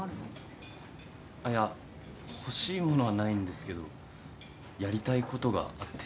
あっいや欲しい物はないんですけどやりたいことがあって。